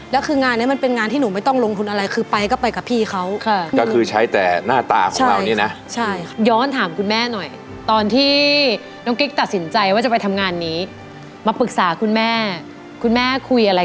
และคืองานนี้มันเป็นงานที่หนูไม่ต้องลงทุนอะไร